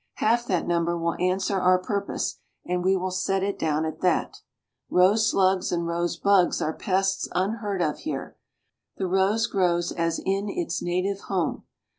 Half that number will answer our purpose; and we will set it down at that. Rose slugs and rose bugs are pests unheard of here. The rose grows as in its native home.